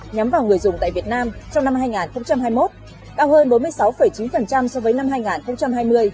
nhắm vào người dùng tại việt nam trong năm hai nghìn hai mươi một cao hơn bốn mươi sáu chín so với năm hai nghìn hai mươi